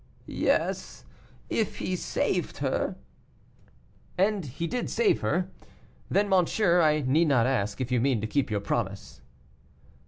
"Yes, if he saved her." "And he did save her. Then, monsieur, I need not ask if you mean to keep your promise."